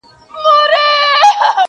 نه له خدای او نه رسوله یې بېرېږې.